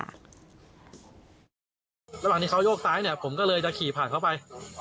ระหว่างที่เขาโยกซ้ายเนี่ยผมก็เลยจะขี่ผ่านเข้าไป